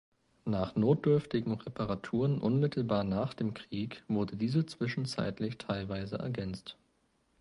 Nach notdürftigen Reparaturen unmittelbar nach dem Krieg wurde diese zwischenzeitlich teilweise ergänzt.